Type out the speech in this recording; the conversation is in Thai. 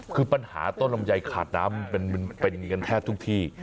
คือปัญหาต้นลำไยขาดน้ำมันเป็นกันแทบทุกที่